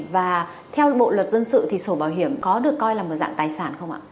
và theo bộ luật dân sự thì sổ bảo hiểm có được coi là một dạng tài sản không ạ